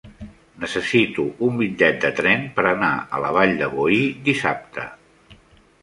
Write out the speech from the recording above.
Necessito un bitllet de tren per anar a la Vall de Boí dissabte.